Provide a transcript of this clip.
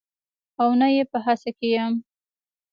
او نه یې په هڅه کې یم